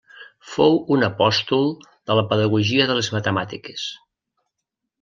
Fou un apòstol de la pedagogia de les matemàtiques.